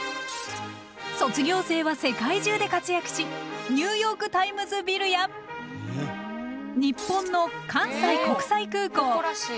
卒業生は世界中で活躍しニューヨークタイムズビルや日本の関西国際空港。